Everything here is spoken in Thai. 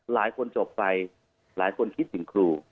หลายคนจบไปหลายคนคิดถึงครู